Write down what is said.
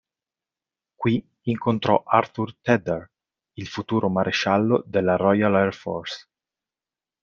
Qui incontrò Arthur Tedder, il futuro maresciallo della Royal Air Force.